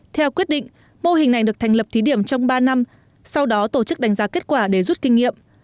theo quyết định mô hình này được thành lập thí điểm trong ba năm sau đó tổ chức đánh giá kết quả để rút kinh nghiệm